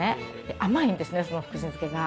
甘いんですね、その福神漬けが。